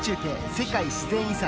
「世界自然遺産」。